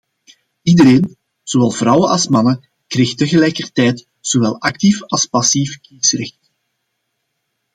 Iedereen, zowel vrouwen als mannen, kreeg tegelijkertijd zowel actief als passief kiesrecht.